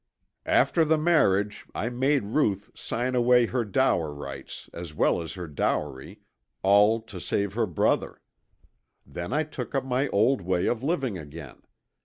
"After the marriage I made Ruth sign away her dower rights as well as her dowry, all to save her brother. Then I took up my old way of living again.